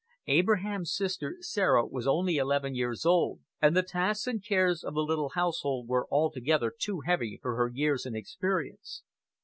Abraham's sister, Sarah, was only eleven years old, and the tasks and cares of the little household were altogether too heavy for her years and experience.